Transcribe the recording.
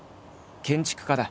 建築家だ。